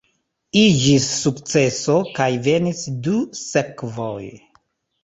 Iĝis sukceso kaj venis du sekvoj.